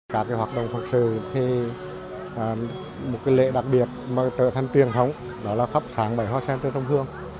cả cái hoạt động phật sự thì một cái lễ đặc biệt mà trở thành truyền thống đó là khắp sáng bầy hoa sen cho sông hương